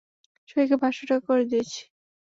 সবাইকে পাঁচশ টাকা করে দিয়েছি।